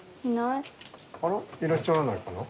いらっしゃらないかな？